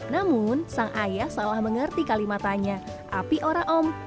namun sang ayah salah mengerti kalimatannya api ora om